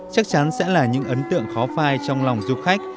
chắc chắn sẽ là những ấn tượng khó phai trong lòng du khách